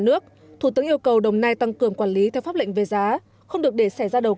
nước thủ tướng yêu cầu đồng nai tăng cường quản lý theo pháp lệnh về giá không được để xẻ ra đầu